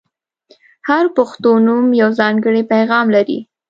• هر پښتو نوم یو ځانګړی پیغام لري.